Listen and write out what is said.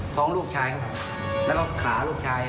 ท้องลูกชายครับผมแล้วก็ขาลูกชาย